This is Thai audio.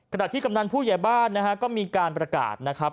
ขณะที่กำนันผู้ใหญ่บ้านนะฮะก็มีการประกาศนะครับ